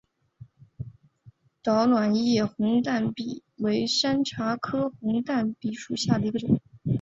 倒卵叶红淡比为山茶科红淡比属下的一个种。